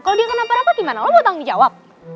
kalo dia kenapa napa gimana lo mau tanggung jawab